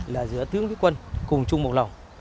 là giữa tướng quân cùng chung một lòng